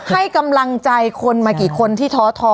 ให้กำลังใจคนมากี่คนที่ท้อท้อ